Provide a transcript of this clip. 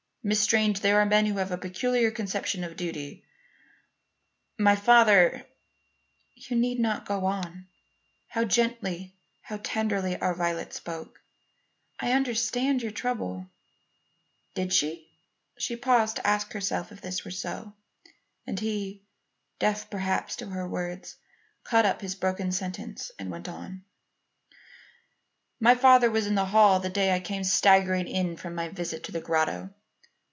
"Miss Strange, there are men who have a peculiar conception of duty. My father " "You need not go on." How gently, how tenderly our Violet spoke. "I understand your trouble " Did she? She paused to ask herself if this were so, and he, deaf perhaps to her words, caught up his broken sentence and went on: "My father was in the hall the day I came staggering in from my visit to the grotto.